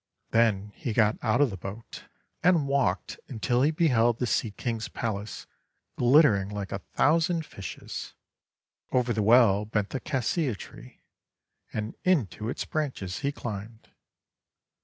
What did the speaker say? Then he got out of the boat, and walked PRINCE FIRESHINE 229 until he beheld the Sea King's palace glittering like a thousand fishes. Over the well bent the Cassia Tree, and into its branches he climbed.